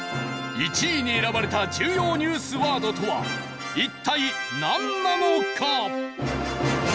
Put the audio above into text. １位に選ばれた重要ニュースワードとは一体なんなのか？